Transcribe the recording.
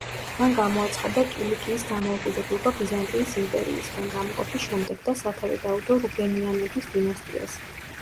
მან გამოაცხადა კილიკიის დამოუკიდებლობა ბიზანტიის იმპერიისგან გამოყოფის შემდეგ და სათავე დაუდო რუბენიანების დინასტიას.